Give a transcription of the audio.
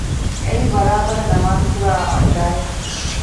އެއީ ބަރާބަރަށް ނަމާދުކުރާ ޢާއިލާއެއް